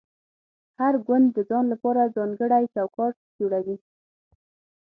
هر ګوند د ځان لپاره ځانګړی چوکاټ جوړوي